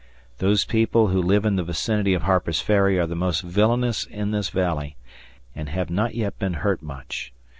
Those people who live in the vicinity of Harper's Ferry are the most villainous in this valley, and have not yet been hurt much.